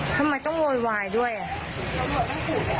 ทำไมต้องโวยวายด้วยอ่ะ